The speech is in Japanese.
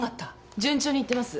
順調にいってます。